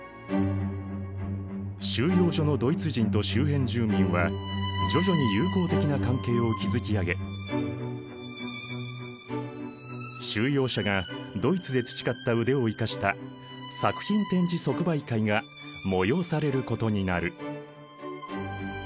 収容所のドイツ人と周辺住民は徐々に友好的な関係を築き上げ収容者がドイツで培った腕を生かした作品展示即売会が催されることになる。